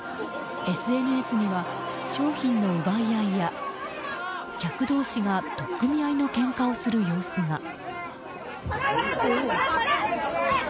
ＳＮＳには商品の奪い合いや客同士が取っ組み合いのけんかをする様子が。